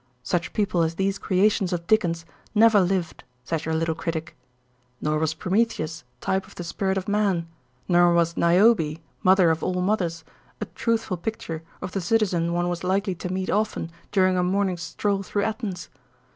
Such people as these creations of Dickens never lived, says your little critic. Nor was Prometheus, type of the spirit of man, nor was Niobe, mother of all mothers, a truthful picture of the citizen one was likely to meet often during a morning's stroll through Athens.